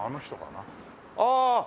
ああ！